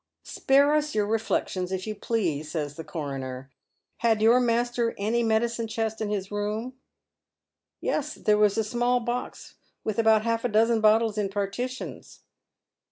" Spare us your reflections, if you please," says the coroner. " Had your master any medicine chest in his room ?"" Yes, there was a small box, with about half a dozen bottles in partitions."